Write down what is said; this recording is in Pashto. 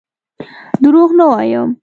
دروغ نه وایم.